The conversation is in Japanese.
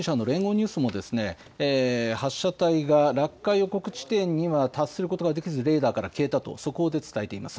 ニュースも、発射体が落下予告地点には達することができず、レーダーから消えたと、速報で伝えています。